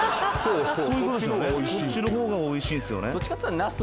こっちの方がおいしいんですよね。